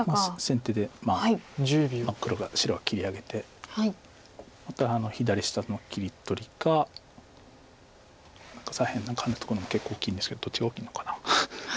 先手で白が切り上げてまた左下の切り取りか何か左辺ハネとくのも結構大きいんですけどどっちが大きいのかな。